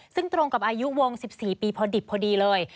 ซึ่งตรงกับอายุวง๑๔ปีพอดิบพอดีเลย